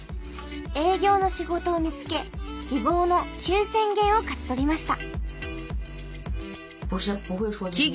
営業の仕事を見つけ希望の９，０００元を勝ち取りました。